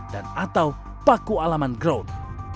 dan atau paku alaman ground